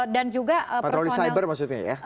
dan juga personal